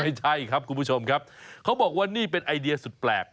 ไม่ใช่ครับคุณผู้ชมครับเขาบอกว่านี่เป็นไอเดียสุดแปลก